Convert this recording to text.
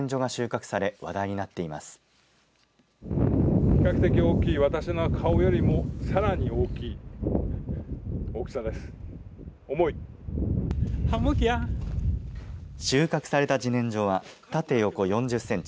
収穫されたじねんじょは縦、横４０センチ。